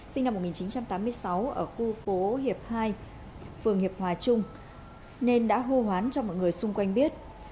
sinh năm một nghìn chín trăm tám mươi sáu ở khu phố hiệp hai phường hiệp hòa trung nên đã hô hoán cho một người xung quanh biết